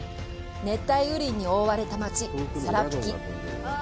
熱帯雨林に覆われた街、サラピキ。